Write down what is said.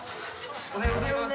おはようございます。